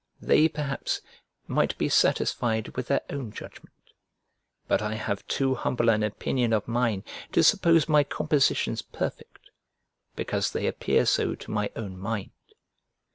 They, perhaps, might be satisfied with their own judgment, but I have too humble an opinion of mine to suppose my compositions perfect, because they appear so to my own mind.